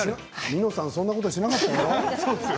みのさんはそんなことをしなかったよ。